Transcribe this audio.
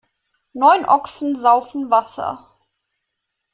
Neun Ochsen saufen Wasser.